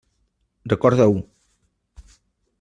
Recorda-ho.